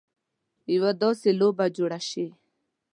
یوه داسې لوبه جوړه شي.